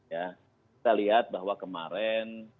kita lihat bahwa kemarin